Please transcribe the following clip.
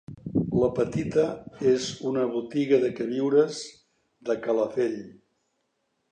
La petita és una botiga de queviures de Calafell.